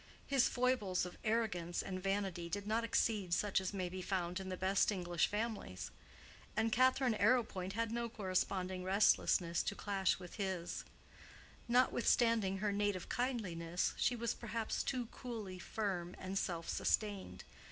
His foibles of arrogance and vanity did not exceed such as may be found in the best English families; and Catherine Arrowpoint had no corresponding restlessness to clash with his: notwithstanding her native kindliness she was perhaps too coolly firm and self sustained.